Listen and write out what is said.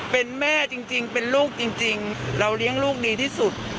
เป็นแม่จริงเป็นลูกจริงเราเลี้ยงลูกดีที่สุด